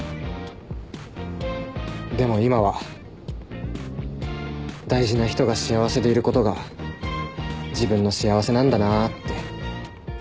でも今は大事な人が幸せでいることが自分の幸せなんだなって。